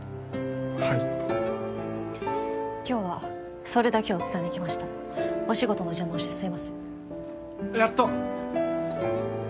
はい今日はそれだけを伝えに来ましたお仕事の邪魔をしてすいませんやっと！